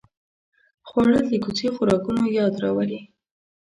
خوړل د کوڅې خوراکونو یاد راولي